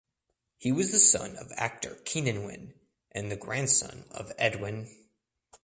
He was the son of actor Keenan Wynn and the grandson of Ed Wynn.